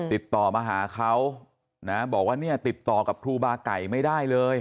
ติดต่อมาหาเขานะบอกว่าเนี่ยติดต่อกับครูบาไก่ไม่ได้เลย